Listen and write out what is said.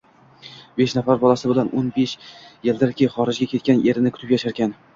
Besh nafar bolasi bilan o‘n besh yildirki xorijga ketgan erini kutib yasharkan